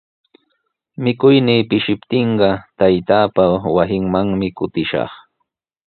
Mikuynii pishiptinqa taytaapa wasinmanmi kutishaq.